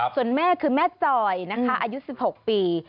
ส่วนแม่คือแม่จอยนะคะอายุ๑๖ปี